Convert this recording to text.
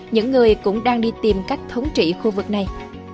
những người cũng đang đi tìm cách thống trị khu vực này